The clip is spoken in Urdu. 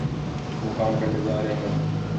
وہ کام کرنےجارہےہیں